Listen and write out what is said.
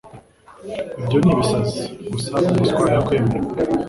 Ibyo ni ibisazi. Gusa umuswa yakwemera.